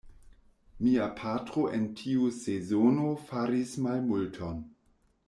Mia patro en tiu sezono faris malmulton.